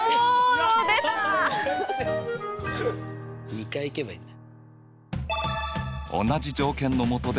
２回行けばいいんだ。